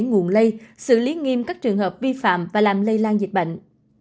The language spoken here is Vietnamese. nguồn lây xử lý nghiêm các trường hợp vi phạm và làm lây lan dịch bệnh